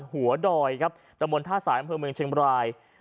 ดอยครับตะบนท่าสายอำเภอเมืองเชียงบราย